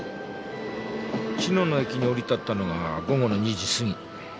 茅野の駅に降り立ったのが午後の２時過ぎ。